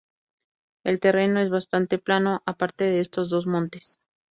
El terreno es bastante plano aparte de estos dos montes.